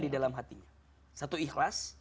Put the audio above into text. di dalam hatinya satu ikhlas